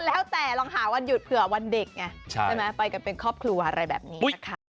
แล้วแต่ลองหาวันหยุดเผื่อวันเด็กไงใช่ไหมไปกันเป็นครอบครัวอะไรแบบนี้นะคะ